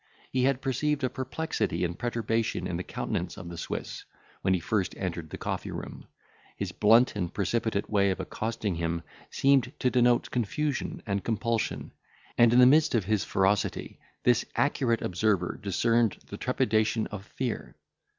He had perceived a perplexity and perturbation in the countenance of the Swiss, when he first entered the coffee room; his blunt and precipitate way of accosting him seemed to denote confusion and compulsion; and, in the midst of his ferocity, this accurate observer discerned the trepidation of fear.